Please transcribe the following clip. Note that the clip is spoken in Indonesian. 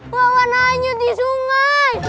pak wan hanyut di sungai